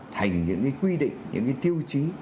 thành những cái quy định những cái tiêu chí